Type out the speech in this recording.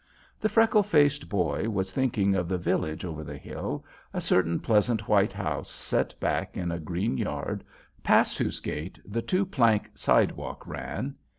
The freckle faced boy was thinking of the village over the hill, a certain pleasant white house set back in a green yard, past whose gate, the two plank sidewalk ran.